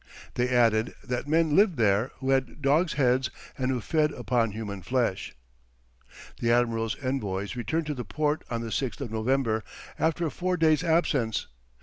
They added that men lived there who had dogs' heads, and who fed upon human flesh. The admiral's envoys returned to the port on the 6th of November, after a four days' absence.